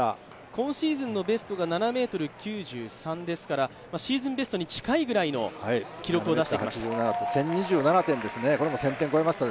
今シーズンのベストが７ｍ９３ですから、シーズンベストに近いぐらいの記録を出してきました。